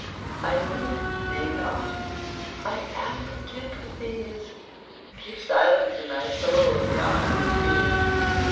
I need thee not, I am content with these: Keep silence in thy soul, beyond the seas!